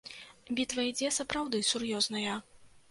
Бітва ідзе, сапраўды, сур'ёзная.